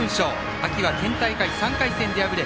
秋は県大会３回戦で敗れ